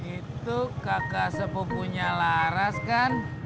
itu kakak sepupunya laras kan